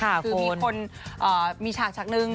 คือมีคนมีฉากฉากนึง